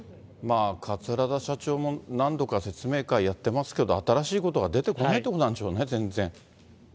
桂田社長も何度か説明会やってますけど、新しいことが出てこないってことなんでしょうね、全然。